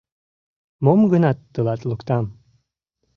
Мом-гынат тылат луктам».